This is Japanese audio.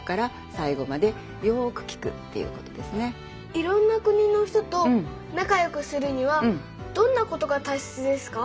いろんな国の人と仲よくするにはどんなことがたいせつですか？